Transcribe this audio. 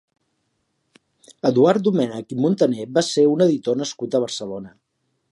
Eduard Domènech i Montaner va ser un editor nascut a Barcelona.